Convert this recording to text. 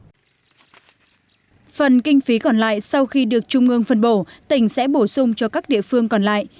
phần kinh phí còn lại sau khi được trung ương phân bổ tỉnh sẽ bổ sung cho các địa phương còn lại